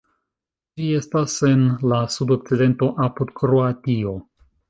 Ĝi estas en la sudokcidento apud Kroatio.